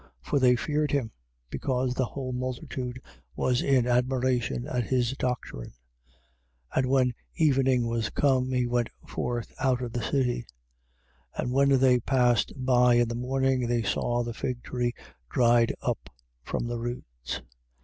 For they feared him, because the whole multitude was in admiration at his doctrine. 11:19. And when evening was come, he went forth out of the city. 11:20. And when they passed by in the morning they saw the fig tree dried up from the roots.